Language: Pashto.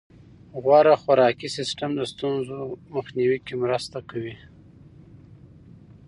غوره خوراکي سیستم د ستونزو مخنیوي کې مرسته کوي.